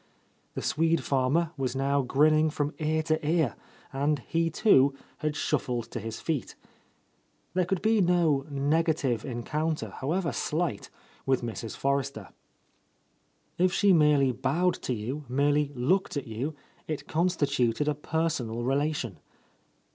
The Swede farmer was now grinning from ear to ear, and he, too, had shuffled to his feet. There could be no negative encounter, however slight, with Mrs. Forrester. If she merely bowed to you, merely looked at you, it constituted a per sonal relation.